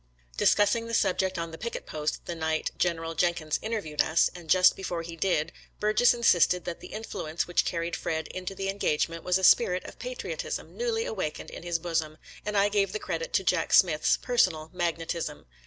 Discussing the subject on the picket post the night General Jenkins interviewed us, and Just before he did, Burges insisted that the influence which carried Fred into the engagement was a spirit of patriotism newly awakened in his bosom, and I gave the credit to Jack Smith's personal magnetism.